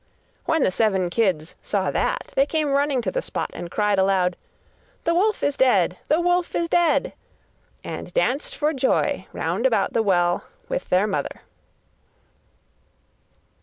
When the seven kids saw that, they came running to the spot and cried aloud: 'The wolf is dead! The wolf is dead!' and danced for joy round about the well with their mother.